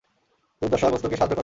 দুর্দশাগ্রস্তকে সাহায্য করেন।